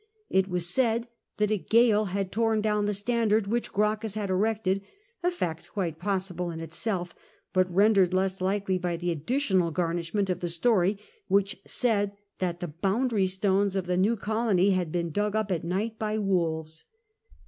It was said that a gale had tom down the standard which Gracchus had erected — a fact quite possible in itself, but rendered less likely by the additional garnishment of the story, which said that the boundary stones of the new colony had been dug up at night by wolves.